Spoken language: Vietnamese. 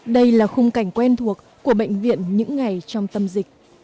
đây là khung cảnh quen thuộc của bệnh viện những ngày trong tâm dịch